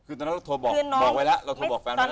คือตอนนั้นเราโทรบอกไว้แล้วเราโทรบอกแฟนไว้แล้ว